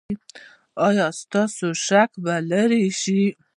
ایا ستاسو شک به لرې شي؟